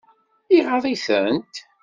Iɣaḍ-itent?